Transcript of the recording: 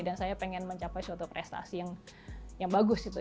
dan saya pengen mencapai suatu prestasi yang bagus gitu